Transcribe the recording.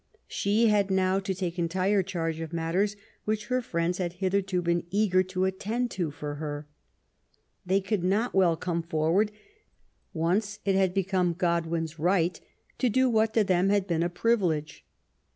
She had now to take entire charge of matters which her friends had hitherto been eager to attend to for her. They could not well come forward, once it had become Godwin's right to do what to them had been a privilege.